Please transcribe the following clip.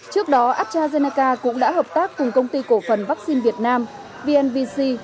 trước đó astrazeneca cũng đã hợp tác cùng công ty cổ phần vaccine việt nam vnvc